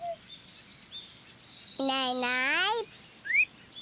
いないいない。